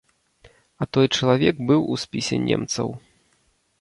А той чалавек быў у спісе немцаў.